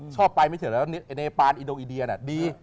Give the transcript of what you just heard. ชอบไปไม่เฉยแล้วไอ้เนปานอินโงอินเดียน่ะดี